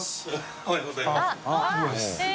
おはようございます